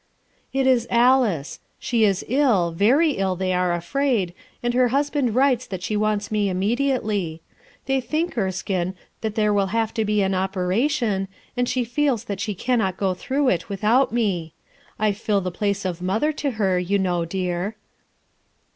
"It is Alice; she is ill, very ill they are afraid, and her husband writes that she wants me imme diately. They think, Erskine, that there will have to be an operation, and she feels that she camot go through it without me. I fill the place of mother to her, you know, dear."